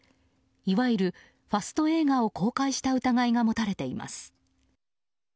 いわゆるファスト映画を公開した疑いが持たれています。